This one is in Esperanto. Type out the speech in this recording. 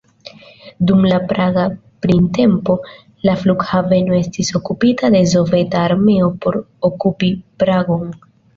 Dum la Praga printempo, la flughaveno estis okupita de Soveta armeo por okupi Pragon.